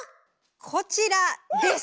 こちらです！